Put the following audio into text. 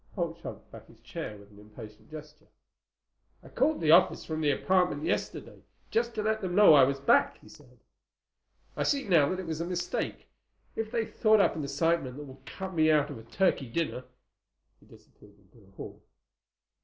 Holt shoved his chair back with an impatient gesture. "I called the office from the apartment yesterday, just to let them know I was back," he said. "I see now that was a mistake. If they've thought up an assignment that will cut me out of a turkey dinner—" He disappeared into the hall.